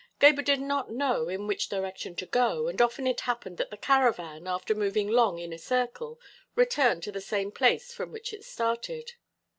Gebhr did not know in which direction to go, and often it happened that the caravan, after moving long in a circle, returned to the same place from which it started.